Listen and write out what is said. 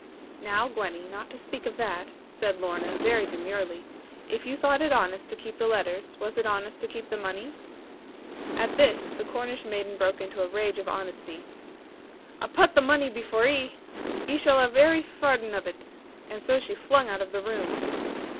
'Now, Gwenny, not to speak of that,' said Lorna, very demurely, 'if you thought it honest to keep the letters, was it honest to keep the money?' At this the Cornish maiden broke into a rage of honesty: 'A putt the money by for 'ee. 'Ee shall have every farden of it.' And so she flung out of the room.